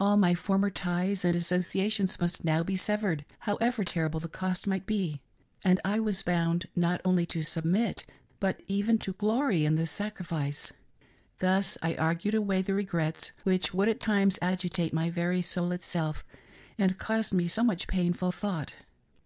All my former ties and associations must now be severed, however terrible the cost might be ; and I was bound not oply to submit, but even to glory in the sacrifice. Thus I argued away the regrets which would at times agitate my very soul itself, and caused me so much painful thought.